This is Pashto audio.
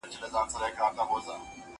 زه هره ورځ کتابونه لوستم؟!